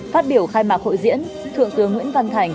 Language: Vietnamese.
phát biểu khai mạc hội diễn thượng tướng nguyễn văn thành